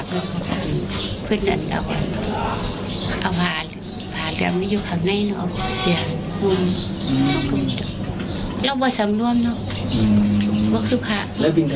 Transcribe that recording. ก็คุณค่ะ